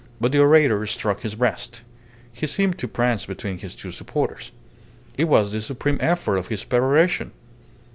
But the orator struck his breast; he seemed to prance between his two supporters. It was the supreme effort of his peroration.